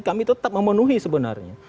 kami tetap memenuhi sebenarnya